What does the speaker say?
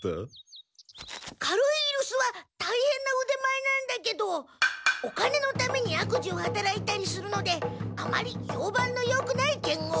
軽井居留守はたいへんな腕前なんだけどお金のために悪事を働いたりするのであまり評判のよくない剣豪です。